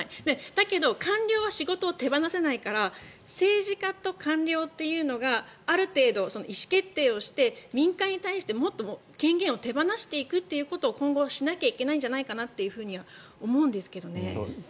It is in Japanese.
だけど、官僚は仕事を手放せないから政治家と官僚というのがある程度、意思決定をして民間に対してもっと権限を手放していくということを今後、しなきゃいけないんじゃないかなとはいかがですか？